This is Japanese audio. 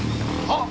あっ！